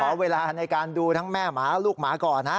เวลาในการดูทั้งแม่หมาลูกหมาก่อนนะ